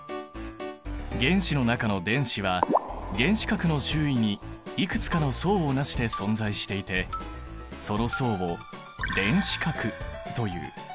原子の中の電子は原子核の周囲にいくつかの層をなして存在していてその層を電子殻という。